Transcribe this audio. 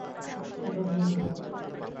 এবার জমবে মজা!